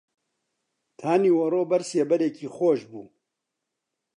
تا نیوەڕۆ بەر سێبەرێکی خۆش بوو